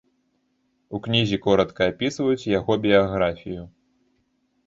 У кнізе коратка апісваюць яго біяграфію.